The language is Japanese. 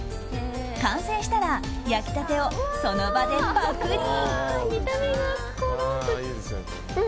完成したら焼きたてをその場でパクリ！